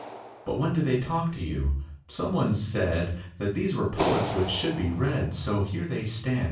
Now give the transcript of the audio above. But when do they talk to you? Some one said That these were poets which should be read, So here they stand.